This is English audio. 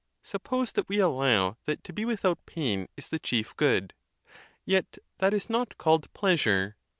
Suppose that we allow that to be without pain is the chief good? Yet that is not called pleasure.